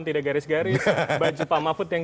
tidak garis garis baju pak mahfud yang